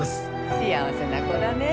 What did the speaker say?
幸せな子だねえ！